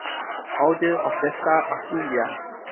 Order of the Star of India